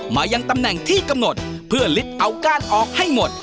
มายังตำแหน่งที่กำหนดเพื่อลิดเอาก้านออกให้หมด